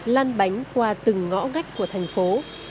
lan bánh qua từng ngõ ngách của thành phố